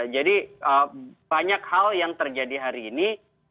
jadi banyak hal yang terjadi hari ini